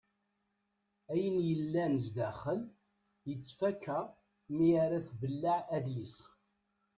Ayen yellan sdaxel yettfaka mi ara tbelleɛ adlis.